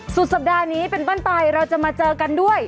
สุดสัปดาห์นี้เป็นต้นไปเราจะมาเจอกันด้วย